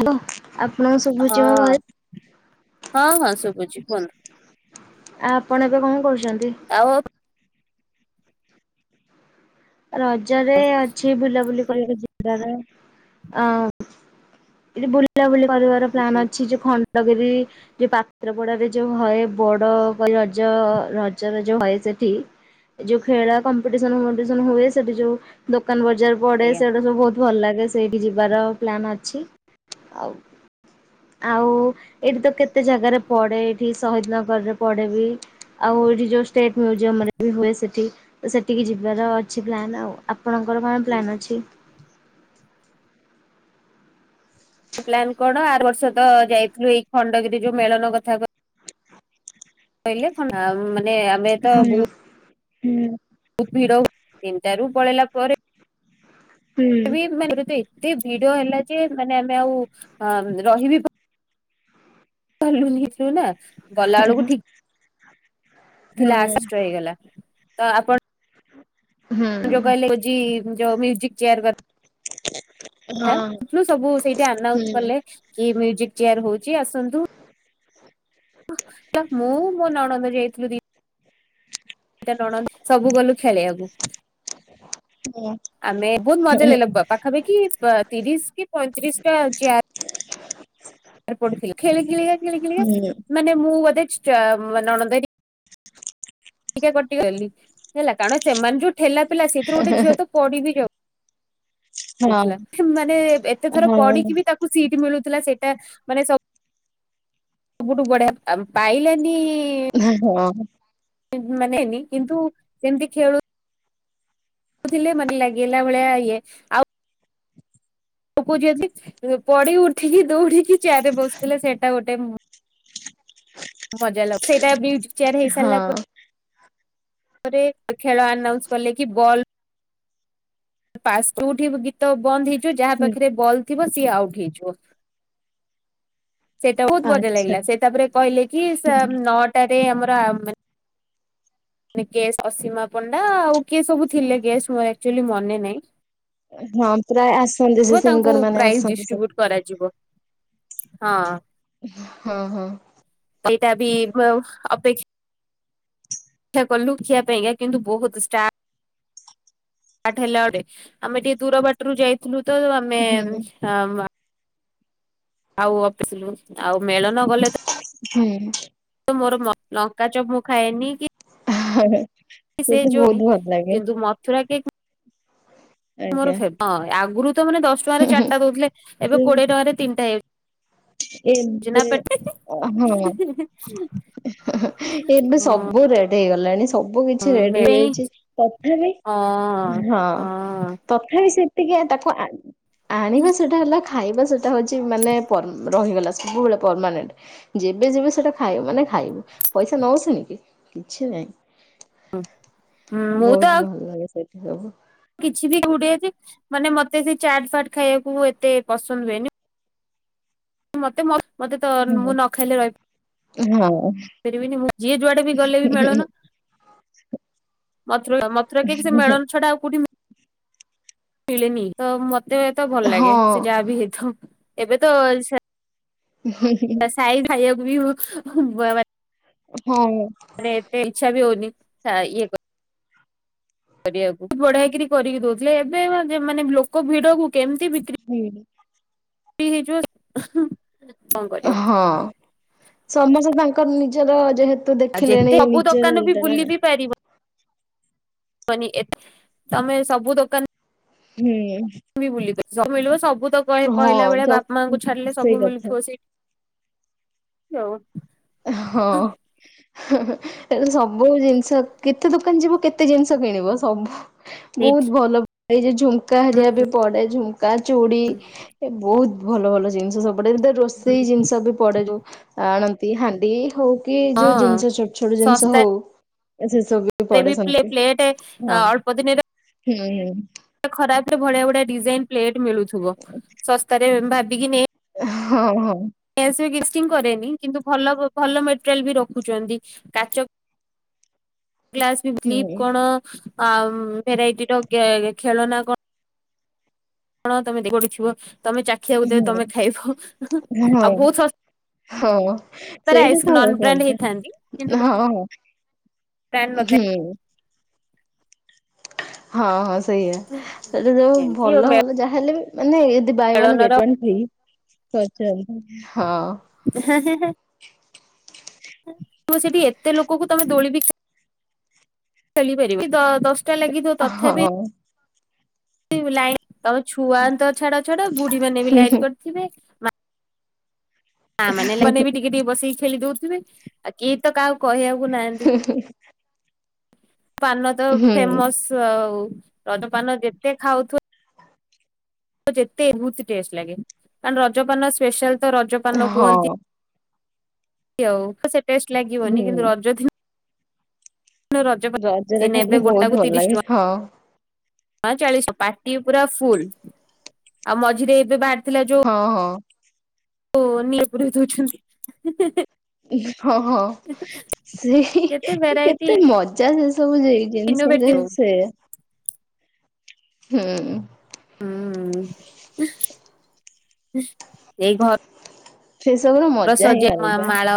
Hello ଆପଣଙ୍କୁ ସୁଭୁଚି ମୋ ହଁ ଭଲସ୍? ହଁ ହଁ ଶୁଭୁଛି କୁହନ୍ତୁ ଆ ଆପଣ ଏବେ କଣ କରୁଚନ୍ତି? ଆଉ। ରଜରେ ଅଛି। ଟିଏ ବୁଲାବୁଲି କରିକି ଯିବାରେ ଆଁ ଏଠି ବୁଲା ବୁଲି କରିବାର ପ୍ଲାନ୍ ହୁଁ ଅଛି ଯେ ଖଣ୍ଡଗିରି ଯୋଉ ପାତ୍ରପଡାରେ ଯୋଉ ହଏ ପୋଡ ରଜ ରଜର ଯୋଉ ହଏ ସେଠି ଯୋଉ ଖେଳ କମ୍ପିଟେନସ ଫମ୍ପିଟେସନ ହୁଏ ସେଠି ଯୋଉ ଦୋକାନ ବଜାର ପଡେ ଆଜ୍ଞା। ସେଡା ସବୁ ଭଲ ଲାଗେ। ସେଇଠି ଯିବାର ପ୍ଲାନ୍ ଅଛି। ଆଉ ଆଉ ଏଇଠି ତ କେତେ ଜାଗାରେ ପଡେ ଏଠି। ଶହିଦନଗରରେ ପଡ଼େ ବି। ଆଉ ଏଇଠି ଯୋଉ ଷ୍ଟେଟମ୍ୟୁଜିୟମରେ ବି ହୁଏ ସେଠି ସେଠିକି ଯିବାର ଅ ଅଛି ପ୍ଲାନ୍ ଆଉ। ଆପଣଙ୍କର କଣ ହୁଁ ପ୍ଲାନ୍ ହୁଁ। ଅଛି? ପ୍ଲାନ କଣ ଆର ବର୍ଷ ତ ଯାଇଥିଲୁ ଏଇ ଖଣ୍ଡଗିରି ଯୋଉ ମେଳଣ କଥା କ କହିଲେ କଣ ମାନେ ଆମେ ତ ହଁ ବହୁ ହୁଁ। ବହୁତ ଭିଡ, ତିନିଟାରୁ ପଳେଇଲା ପରେ ହୁଁ [inaudible] ମାନେ ଏତେ ଭିଡ ହେଲା ଯେ ମାନେ ଆମେ ଆଉ ରହିବି‌ ପା ପାରିଲୁନି [inaudible] ହେଲା। ଗଲା ବେଳକୁ ଠିକ୍ ଥିଲା ହଁ। [unintelligible] ହେଇଗଲା ତ ଆପଣ ହଁ ଯୋଉ କହିଲେ ହଉଛି ଯୋଉ ମ୍ୟୁଜିକ୍ ଚେୟାର କର। [inaudible] ସବୁ ସେଇଠି ଆନାଉନ୍ସ ହୁଁ। ହୁଁ କଲେ। କି ମ୍ୟୁଜିକ୍ ଚେୟାର ହଉଛି ଆସନ୍ତୁ। ମୁଁ ମୋ ନଣନ୍ଦ ଯାଇଥିଲୁ ଦି ଦିଟା ନଣଦ ସବୁ ଗଲୁ ଖେଳିବାକୁ। ହୁଁ। ଆମେ ବହୁତ ମଜା ଲାଗିଲା [inaudible] ପାଖାପାଖି ତିରିଶ କି ପଇଁତିରିଶଟା ଚେୟାର ହ [inaudible] ର ପଡିଥିଲା, ଖେଳି ଖେଳିକା-ଖେଳି ଖେଳିକା ହୁଁ ମାନେ ମୁଁ ବୋଧେ ଚ ଆ-ଆ ମା ନଣନ୍ଦ ହେରି ଟିକେ କଟିଗଲି, ହେଲା କାରଣ ସେମାନେ ଯୋଉ ଠେଲାପେଲା ସେଥିରୁ ଗୋଟେ ଝିଅ ତ ପଡିବି ଯାଉ ଉ ହଁ। ଥିଲା ମାନେ ଏତେ ଥର ପଡିକି ବି ତାକ୍ [inaudible] ସିଟ୍ ମିଳୁଥିଲା ସେଇଟା ମାନେ ସବ୍ ସବୁଠୁ ବଢିଆ ଆମ୍ ପାଇଲାନି ହଁ। ମାନେ ହେଇନି କିନ୍ତୁ ସେମିତି ଖେଳୁ [inaudible] ଥିଲେ ମାନେ ଲାଗିଲା ଭଳିଆ ଇଏ ଆଉ ଗପୁଛନ୍ତି, ପଡି ଉଠିକି ଦୌଡିକି ଚେୟାରେ ବସିଥିଲା ସେଟା ଗୋଟେ ମୁଁ ମଜା ଲାଗ ସେଇଟା ବି ମ୍ୟୁଜିକ୍ ଚେୟାର ହେଇ ସାରିଲା ପରେ ପରେ ଖେଳ ଆନାଉନ୍ସ କଲେ କି ବଲ୍ [inaudible] ଯୋଉଠି ଗୀତ ବନ୍ଦ ହେଇଯିବ ଯାହା ହୁଁ ପାଖରେ ବଲ୍ ଥିବ ସିଏ ଆଉଟ୍ ହେଇଯିବ। ‌ ସେଇଟା ବହୁତ ବଢିଆ ଆଚ୍ଛା ଲାଗିଲା, ସେ ତାପରେ କହିଲେ କି ସେ ନଅଟାରେ ଆମର ଆ ମାନ୍ ମାନେ ଗେଷ୍ଟ୍ ଅସୀମା ପଣ୍ଡା ଆଉ କିଏ ସବୁ ଥିଲେ ଗେଷ୍ ମୋର ଆକ୍ଚୁଆଲି ମନେ ନାଇଁ। ହଁ ପ୍ରାୟ ଆସନ୍ତି ସେ ତାଙ୍କୁ ସିଙ୍ଗରମାନେ ପ୍ରାଇଜ ଆସନ୍ତି ସବୁ। ଡିଷ୍ଟ୍ରିବ୍ୟୁଟ କରାଯିବ, ହଁ। ହଁ-ହଁ। ଏଇଟା ବି ଆଉ ଅପେକ୍ଷ୍ ଅପେକ୍ଷା କଲୁ ଦେଖିଆ ପାଇଁକା କିନ୍ତୁ ବହୁତ ଷ୍ଟା ଟାଟ୍ ହେଲା ବଟେ ଆମେ ଟିକେ ଦୂର ବାଟରୁ ଯାଇଥିଲୁ ତ ଆମେ ହୁଁ ଆଁ-ଆଁ ଆଉ [inaudible] ଆଉ ମେଳଣ ଗଲେ ତ ହୁଁ। ତ ମୋର [inaudible] ଲଙ୍କା ଚପ୍ ମୁୁଁ ଖାଏନି କି ହାଁହାଁହେଁ, ସେ ସେଇଟା ଯୋଉନି ବହୁତ ଭଲ ଲାଗେ। କିନ୍ତୁ ମଥୁରା କେକ୍ [unintelligible] ମୋର ଆଜ୍ଞା। ଫେବ୍, ହଁ ଆଗରୁ ତ ମାନେ ଦଶ ଟଙ୍କାରେ ଚାରିଟା ଦଉଥିଲେ ଏବେ କୋଡିଏ ଟଙ୍କାରେ ତିନିଟା ହେଇ ଏବେ ହଁ। ଏବେ ହଁ ସବୁ ରେଟ୍ ହେଇଗଲାଣି। ସବୁ କିଛି ରେଟ ହେଇଯାଇଛି, ତଥାପି ହଁ। ତଥାପି ସେତିକି ତାକୁ ଆଣିବା ସେଟା ହେଲା ଖାଇବା ସେଟା ହଉଛି ମାନେ ରହିଗଲା [unintelligible] ସବୁବେଳେ ପରମାନେଣ୍ଟ୍। ଯେବେ ଯିବ ସେଟା ଖାଇବ ମାନେ ଖାଇବୁ ପଇସା ନଉ ସେମିତି କିଛି ନାହିଁ। ମୁଁ ତ ବହୁତ ଆଉ ଭଲ ଲାଗେ ସେଠି ସବୁ। କିଛି ବି [unintelligible] ଅଛି ମାନେ ମତେ ସେ ଚାଟ୍ ଫାଟ୍ ଖାଇବାକୁ ଏତେ ପସନ୍ଦ ହୁଏନି। ମତେ ମୋ ମତେ ତ ମୁଁ ନ ଖାଇଲେ ରହିବ ହଁ -ପାରିବିନି ମୁଁ ଯିଏ ଯୁଆଡେ ବି ଗଲେ ବି ମେଳନ [inaudible] ମଥୁରା ମଥୁରା କେକ୍ ସେ ମେଳନ ଛଡା ଆଉ କୋଉଠି -ମିଳେନି ତ ମତେ ତ ଭଲ ଲାଗେ। ହଁ ସେ ଯାହା ବି ହେଇଥାଉ। ଏବେ ତ ହୁଁ। ତ ସାଈ ଖାଇବାକୁ ବି [unintelligible] ହଁ। ମାନେ ଏତେ ଇଚ୍ଛା ବି ହଉନି। ଖା ଇଏ [unintelligible] କରିବାକୁ ବଢିଆକିରି କରିକି ଦଉଥିଲେ। ଏବେ ମାନେ ଲୋକ ଭିଡକୁ କେମିତି ବିକ୍ରି [unintelligible] କଣ କରିବ ହଁ, ସମସ୍ତେ ତାଙ୍କର ନିଜର ଯେହେତୁ ତ ଆଉ ଯେତେ ଦେଖିଲେଣି ସବୁ ନିଜର ଦୋକାନ ବି ଇଏଟା ନା। ବୁଲି ବନିଏ [unintelligible] ତମେ ସବୁ ଦୋକାନ ହୁଁ। ବି ବୁଲି [unintelligible] ସବୁ ମିଳିବ ସବୁ ତ ହଁ କହିଲା ଭଳିଆ ଯ ବାପା ମାଙ୍କୁ ଛାଡିଲେ ସେଇ ସବୁ କଥା ମିଳୁଥିବ ସେଇ ହଉ। ହଁ। [inaudible] ସବୁ ଜିନିଷ କେତେ ଦୋକାନ ଯିବ କେତେ ଜିନିଷ କିଣିବ ସବୁ ବହୁତ ସେଇଠି ଭଲ [unintelligible] ଝୁମୁକା ହରିକା ହୁଁ। ବି ପଡେ ଝୁମ୍ ଝୁମୁକା ଚୁଡି ଏ ବହୁତ ଭଲ ଭଲ ଜିନିଷ ସବୁ ପଡେ। ଦ ରୋଷେଇ ଜିନିଷ ବି ପଡେ ଯୋଉ ଆଣନ୍ତି। ହାଣ୍ଡି ହଉ କି ଯୋଉ ହଁ ଜିନିଷ ଛୋଟ ଛୋଟ ଜିନିଷ ହଉ ସେସବୁ ରେବି ପ୍ଲେ- ପ୍ଲେଟ ଅଳ୍ପ ଦିନିରେ ହୁଁ ହୁଁ। ଖରାପ ରେ ଭଢିଆ ଭଢିଆ ଡିଜାଇନ ପ୍ଲେଟ ମିଳୁଥିବ। ଶସ୍ତାରେ ଭାବିକି ନେଇ ହଁ ହଁ। [unintelligible] କିନ୍ତୁ ଭଲ ଭଲ ମେଟେରିଆଲ ବି ରଖୁଛନ୍ତି। କାଚ ଗ୍ଲାସ ବି କ୍ଲିପ୍ ହୁଁ କଣ ଆଉ ଭେରାଇଟିର ଗେ ଖେଳନା କ କଣ ତମେ [unintelligible] ଥିବ ତମେ ଚାଖିଆକୁ ଦେ ଚେ ହୁଁ ତମେ ଖାଇବ ହଁ ଆଉ ବହୁତ ଶ ହଁ ସେଇଟା ତ ବ୍ରାଣ୍ଡ ମଜା। ହେଇଥାନ୍ତି କିନ୍ତୁ ହଁ ହଁ। ବ୍ରାଣ୍ଡ ନଥାଏ। ହୁଁ। ହଁ ହଁ ସେଇଆ ସେଠା ଯଉ ଏମିତି ଆଉ ଭଲ ହେଲେ ଯାହା ହେଲେ ବି ମାନେ ଏ ଯଦି ବାଏ ୱାନ ଗେଟ୍ ମେଳନର ୱାନ ଫ୍ରି [unintelligible] ହଁ। ହେଁ ହେଁ ହେଁ। ତମେ ସେଠି ଏତେ ଲୋକକୁ ତମେ ଦୋଳି ବି ଖେଳିପାରିବନି ଦ ଦଶଟା ଲାଗିଥିବ ତଥାପି ହଁ ଲାଇନ, ତମେ ଛୁଆ ତ ଛାଡ ଛାଡ ବୁଢୀ ମାନେ ବି ଲାଇନ୍ କରିଥିବେ। ମା ମାନେ ଲୋକେ ମାନେ ବି ଟିକେ ଟିକେ ବସେଇକି ଖେଳି ଦଉଥିବେ। ଆଉ କିଏ ତ କାହାକୁ କହିବାକୁ ନାହାନ୍ତି। [unintelligible] ପାନ ତ ହୁଁ ଫେମସ୍ ଆଉ ରଜପାନ ଯେତେ ଖାଉଥିବ ଯେତେ ବହୁତ ଟେଷ୍ଟ ଲାଗେ। କାରଣ ରଜପାନ ସ୍ପେଶାଲ ତ ରଜପାନ କୁହନ୍ତି ହଁ ଆଉ ସେ ଟେଷ୍ଟ ଲାଗିବନି ହୁଁ କିନ୍ତୁ ରଜ ଦି ନ ରଜ ପାନ ରଜରେ ସିଏ ଖାଇଲେ ନେବେ ବହୁତ ଗୋଟାକୁ ଭଲ ତିରିଶ ଲାଗେ ଟଙ୍କା ହଁ ଚାଳିଶ ଟଂକା, ପାଟି ପୁରା ଫୁଲ। ଆଉ ମଝିରେ ଏବେ ବାହାରି ହଁ ହଁ। ନିଆଁ ପୁରେଇ ଦଉଛନ୍ତି। ହଁ ହଁ ସେଇ କେତେ ମଜା ସେ ସବୁ ସେଇ ଜିନିଷ ରେ ଇନୋଭେଟିଭ ହୁଁ। ସେ ହୁଁ। ଏଇ ଘର ସେ ସବୁ ମ ଘରେ ସଜେଇବା, ମାଳ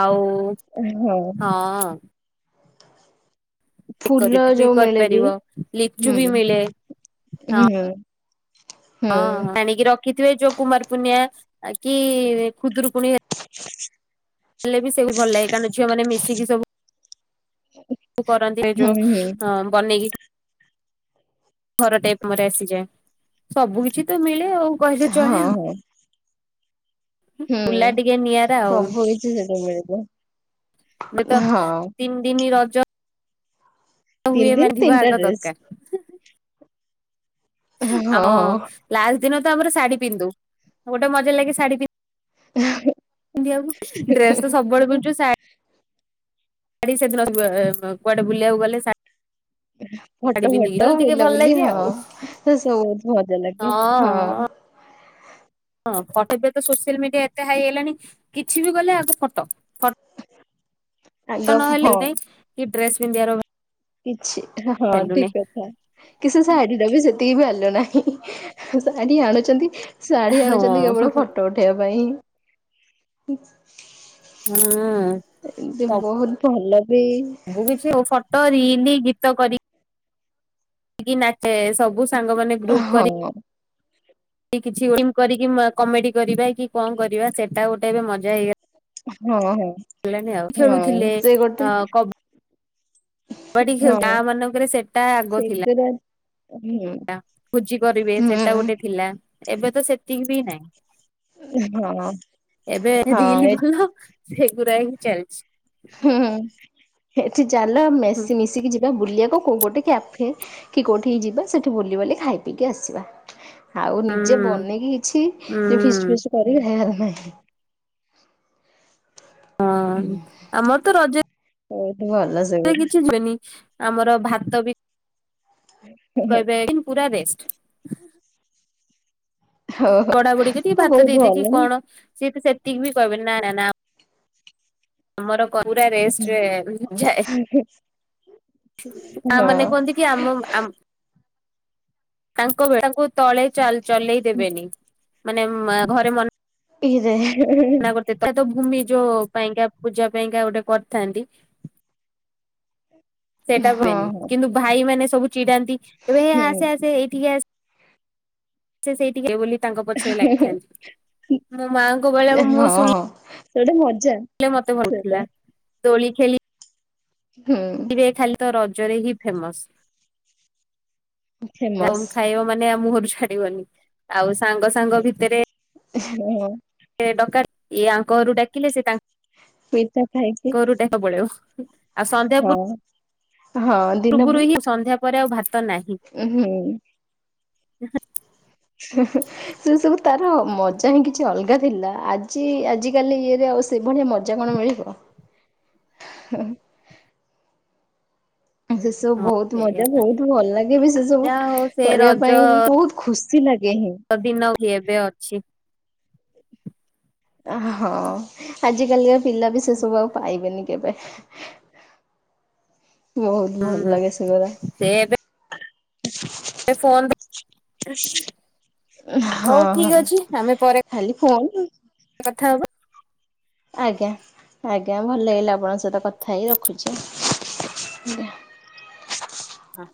ଆଉ ହଁ। ହଁ। ଫୁଲ ଡେକୋରେଟ ବି ଯୋଉ ମିଳେ ବିି। କରିପାରିବ ଲିଚୁ ବି ମିଳେ। ହୁଁ ହୁଁ। ହଁ ଆଣିକି ରଖିଥିବେ ଯୋଉ କୁମାର ପୂର୍ଣ୍ଣିମା କି ଖୁଦୁରୁକୁଣୀ [inaudible] ହେଲେ ବି ସବୁ ଭଲ ଲାଗେ। କାରଣ ଝିଅ ମାନେ ମିଶିକି ସବୁ କରନ୍ତି ହୁଁ ଯୋଉ ହୁଁ ଅ ବନେଇକି ଘର ଟାଇପ [unintelligible] ଆସିଯାଏ। ସବୁ କିଛି ତ ମିଳେ ଆଉ କହିଲେ ହଁ ଚଳେ ଆଉ। ହଁ ବୁଲା ହୁଁ ଟିକେ ନିଆଁରା ଆଉ। ସବୁ କିଛି ସେଠି ମିଳିବ ଏବେ ତ ହଁ ତିନି ଦିନ ରଜ ହୁଏ ତିନଦିନ ମାନେ ଥିବା ତିନିଟା ଆଗ ଡ୍ରେସ। ଦରକାର ହଁ ଲାଷ୍ଟ ଦିନ ତ ଆମର ଶାଢୀ ପିନ୍ଧି ଦଉ, ଗୋଟେ ମଜା ଲାଗେ ଶାଢୀ ପିନ୍ଧି [inaudible] ଆକୁ ଡ୍ରେସ ତ ସବୁବେଳେ ପିନ୍ଧୁଛୁ ଶାଢ଼ୀ ସେଦିନ କୁଆଡେ ବୁଲିବାକୁ ଗଲେ ଶାଢୀ ଫଟୋ ପିନ୍ଧିକି ଫୋଟ ଗଲେ ଟିକେ ଭଲ ବୁଲାବୁଲି ଲାଗେ ହଁ ଆଉ ସେ ସବୁ ବହୁତ ମଜା ଲାଗେ ହଁ। ହଁ ଫଟୋ। ଏବେ ତ ସୋସିଆଲ ମିଡିଆ ଏତେ ହାଇ ହେଲାଣି କିଛି ବି କଲେ ଆଗ ଫଟୋ। ଆଗ ନହେଲେ ହଁ ନାଇଁ ଡ୍ରେସ ପିନ୍ଧିବାର କିଛି ହଁ ଭାଲ୍ୟୁ ନାହିଁ ଠିକ କଥା। କି ସେ ଶାଢୀର ବି ସେତିକି ଭ୍ୟାଲୁ ନାହିଁ। ଶାଢୀ ଆଣୁଛନ୍ତି ଶାଢୀ ହଁ ଆଣୁଛନ୍ତି କେବଳ ଫଟୋ ଉଠେଇବା ପାଇଁ। ହଁ। ଏ ବହୁତ ଭଲ ବି। ମୁଁ ବି ସେ ଆଉ ଫଟୋ, ରିଲ, ଗୀତ କରିକି ନା ସବୁ ସାଙ୍ଗମାନେ ଗ୍ରୁପ୍ କରି ହଁ କିଛି କରିକି କମେଡି କରିବା କି କଣ କରିବା ସେଟା ଗୋଟେ ଏବେ ମଜା ହେଇଗ ହଁ ହଁ ହଁ। ଖେଳୁଥିଲେ ସେଇ ଗୋଟେ ବାଡ଼ି ଖେଳ। ହଁ ଗାଁ ମାନଙ୍କରେ ସେଟା ଆଗ ଥିଲା। ସେଗୁରା ହୁଁ। ଭୋଜି କରିବେ ହୁଁ ସେଟା ଗୋଟେ ଥିଲା ଏବେ ତ ସେତିକି ବି ନାହିଁ। ହଁ ଏବେ ହଁ ରିଲ୍ ଏ ଭଲ ସେଗୁରା ହିଁ ଚାଲିଛି। ହୁଁ ଏଠି ଚାଲ ହୁଁ ମିଶି ମିଶିକି ଯି ବୁଲିବାକୁ କୋଉ ଗୋଟେ କ୍ୟାଫେ କି କୋଉଠିଇ ଯିବା ସେଠି ବୁଲି ବାଲି ଖାଇ ପିଇକି ଆସିବା। ଆଉ ନିଜେ ବନେଇକି ହୁଁ କିଛି ଫିଷ୍ଟ ଫିଷ୍ଟ କରିି [unintelligible] ହଁ ଆମର ତ ରଜ ହଉ ତୁ ଭଲସ କିଛି ହୁଏନି ଆମର ଭାତ ବି କହିବେ ପୁରା ରେଷ୍ଟ। ହଉ ହଉ ବଢା ବୁଢିକି ଟିକେ ତ ଭାତ ବହୁତ ଦେଇଦେ ଭଲ କି କଣ ସିଏ ତ ସେତିକି ବି କହିବେନି ନା ନା ନା। ଆମର କ ପୁରା ରେଷ୍ଟରେ ଝା [unintelligible] ତା ନା ମାନେ ହଁ କୁହନ୍ତି କି ଆମ ଆମ ତାଙ୍କ ତାଙ୍କୁ ତଳେ ଚଲେଇ ଦେବେନି ମାନେ ଘରେ ମନ ଇରେ ହେ ହେ। ଗୋଟେ ତ ଭୂମି ଯୋଉ ପାଇଁକା ପୂଜା ପାଇଁକା ଗୋଟେ କରିଥାନ୍ତି। ସେଟା ହଁ ହୁଏନି ହଁ କିନ୍ତୁ ଭାଇ ମାନେ ସବୁ ଚିଡାନ୍ତି ଏବେ ହେ ହୁଁ ଆସେ ଆସେ ଏଇଠିକି ଆସେ ସେ ସେଇଠିକି ବୋଲି ତାଙ୍କ ପଛରେ ଲାଗିଥାନ୍ତି। ମୋ ମାଆଙ୍କ ବେଳେ ହଁ ମୁଁ ଶୁଣ ହଁ ସେଟା ମଜା। ମତେ ଭଲଥିଲା ସେଟା ଦୋଳି ଖେଳି ହୁଁ। ଏବେ ଖାଲି ତ ରଜରେ ହିଁ ଫେମସ୍। ଫେମସ [unintelligible] ଖାଇବ ମାନେ ଆଉ ମୁହଁରୁ ଛାଡିବନି ଆଉ ସାଙ୍ଗ ସାଙ୍ଗ ଭିତରେ ହଁ ହଁ। ଏ ଡକାତ୍ ଇଏ ଆଙ୍କ ଘରୁ ଡାକିଲେ ସେ ପିଠା ଖାଇକି ତାଙ୍କ ଘରୁ ଡାଯିବାକୁ ପଳେଇବ ଆଉ ସନ୍ଧ୍ୟା ପୁର ହଁ ହଁ। ପୁର୍ବୁ ହିଁ ସନ୍ଧ୍ୟା ପରେ ଆଉ ଭାତ ନାହିଁ। ଉ ହୁଁ। [inaudible] ହୁଁ ହୁଁ। ସେ ସବୁ ତାର ମଜା ହିଁ କିଛି ଅଲଗା ଥିଲା ଆଜି ଆଜିକାଲି ଇଏରେ ଆଉ ସେଭଳିଆ ମଜା କଣ ମିଳିବ। ହୁଁ। ସେ ସବୁ ହଁ ବୋହୁତ ସେଇଆ ମଜା ବୋହୁତ ଭଲ ଲାଗେ ବି ସେ ସବୁ। ଯାହା ହଉ ସେ କରିବା ପାଇଁ ବି ବୋହୁତ ଖୁସି ଲାଗେ ହିଁ। ତ ଦିନ ହୁଏ ଏବେ ଅଛି। ଆ ହଁ ଆଜିକାଲିଆ ପିଲା ବି ସେ ସବୁ ଆଉ ପାଇବେନି କେବେ। ବହୁତ ଭଲ ହୁଁ ଲାଗେ ସେ ଗୁରା। ସେ ଏବେ ଏ ଫୋନ ଦେଖ [unintelligible] ହଁ ହଉ ଠିକ ହଁ ଅଛି ଆମେ ପରେ ଖାଲି ଫୋନ କଥା ହବା। ଆଜ୍ଞା ଆଜ୍ଞା ଭଲ ଲାଗିଲା ଆପଣଙ୍କ ସହିତ କଥା ହେଇ ରଖୁଛି ଆଜ୍ଞା। ହଁ।